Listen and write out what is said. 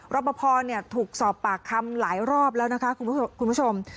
ปภถูกสอบปากคำหลายรอบแล้วนะคะคุณผู้ชม